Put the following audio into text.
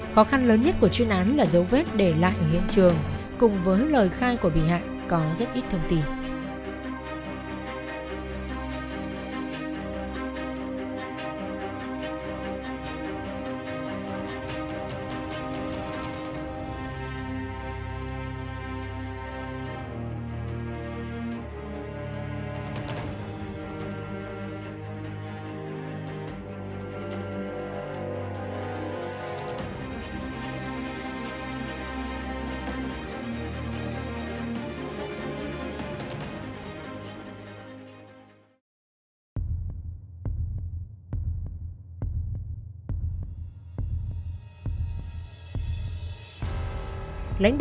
khó khăn lớn nhất của chuyên án là giấu vết để lại ở hiện trường cùng với lời khai của bị hạng có rất ít thông tin